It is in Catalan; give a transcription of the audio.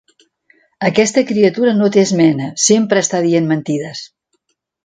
Aquesta criatura no té esmena, sempre està dient mentides.